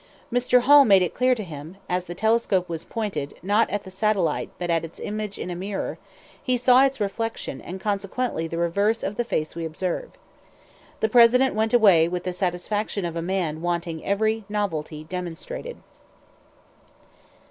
Mr. Hall made it clear to him that, as the telescope was pointed, not at the satellite but at its image in a mirror, he saw its reflection and consequently the reverse of the face we observe. The President went away with the satisfaction of a man wanting every novelty demonstrated.